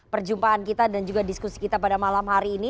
perjumpaan kita dan juga diskusi kita pada malam hari ini